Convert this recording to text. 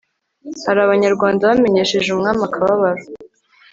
hari abanyarwanda bamenyesheje umwami akababaro